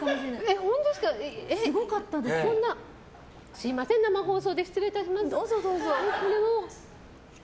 すみません、生放送で失礼いたします。